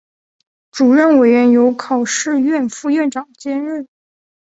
主任委员由考试院副院长兼任。